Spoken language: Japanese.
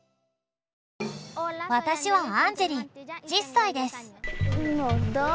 私はアンジェリ１０さいです。